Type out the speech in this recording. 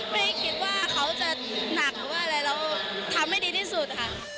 ไม่คิดว่าเขาจะหนักทำให้ดีที่สุด